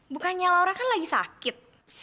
bukannya laura kan lagi sakit